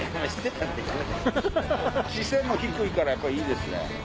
視線も低いからいいですね。